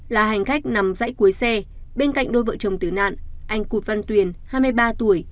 là hành khách nằm dãy cuối xe bên cạnh đôi vợ chồng tử nạn anh cụt văn tuyền hai mươi ba tuổi